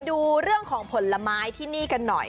ดูเรื่องของผลไม้ที่นี่กันหน่อย